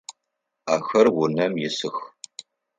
Ахэр унэм исых.